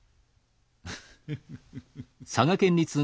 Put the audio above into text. フフフッ。